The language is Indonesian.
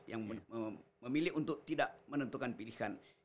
yang memilih untuk tidak menentukan pilihan